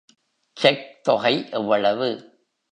Check தொகை எவ்வளவு?